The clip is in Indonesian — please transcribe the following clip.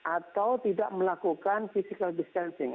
atau tidak melakukan physical distancing